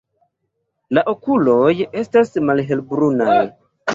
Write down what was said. La okuloj estas malhelbrunaj.